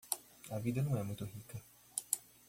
A vida não é muito rica